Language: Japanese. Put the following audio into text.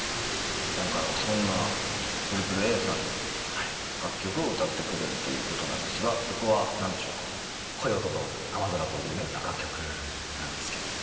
今回はそんな ＡＡＡ さんの楽曲を歌ってくれるということなんですが曲は何でしょうか？という楽曲なんですけども。